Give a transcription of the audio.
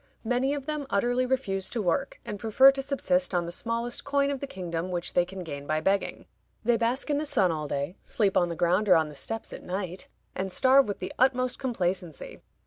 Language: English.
Many of them utterly refuse to work, and prefer to subsist on the smallest coin of the kingdom which they can gain by begging. They bask in the sun all day, sleep on the ground or on the steps at night, and starve with the utmost complacency.